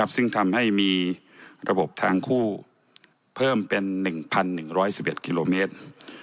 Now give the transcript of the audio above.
ซึ่งทำให้มีระบบทางคู่เพิ่มเป็น๑๑๑๑กิโลเมตร